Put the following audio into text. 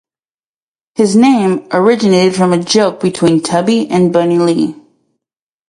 His name originated from a joke between Tubby and Bunny Lee.